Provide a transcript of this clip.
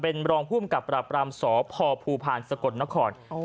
เป็นรองผู้มกับรับรามสพภูภาณสะกดนคร